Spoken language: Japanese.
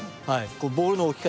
ボールの置き方。